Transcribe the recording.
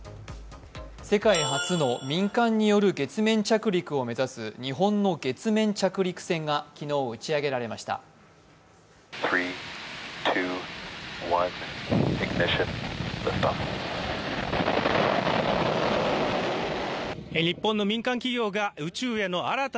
世界初の民間による月面着陸を目指す日本の月面着陸船が昨日、打ち上げられました。